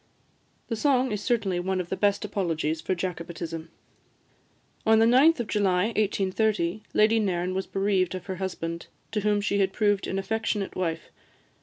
The song is certainly one of the best apologies for Jacobitism. On the 9th of July 1830, Lady Nairn was bereaved of her husband, to whom she had proved an affectionate wife.